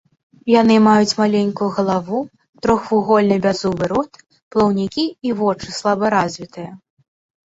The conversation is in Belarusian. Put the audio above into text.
Яны маюць маленькую галаву, трохвугольны бяззубы рот, плаўнікі і вочы слаба развітыя.